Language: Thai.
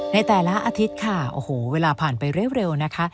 ในแต่ละอาทิตย์ค่ะโอ้โหเวลาผ่านไปเร็วนะคะ